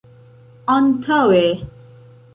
antaŭe